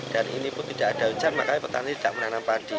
dan ini pun tidak ada hujan makanya petani tidak menanam padi